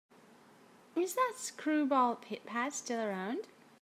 Is that screwball Pit-Pat still around?